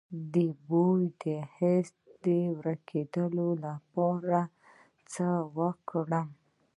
د بوی د حس د ورکیدو لپاره باید څه وکړم؟